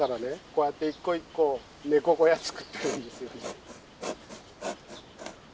こうやって一個一個ネコ小屋作ってるんですよ。